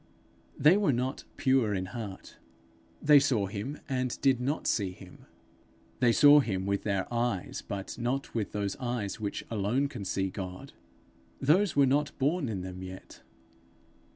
They were not pure in heart; they saw him and did not see him. They saw him with their eyes, but not with those eyes which alone can see God. Those were not born in them yet.